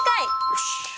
よし！